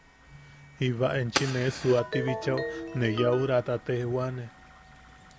Jiba enchi nee suaati bichao ne yaʼurata tejwaane.